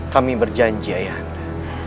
kami berjanji ayahanda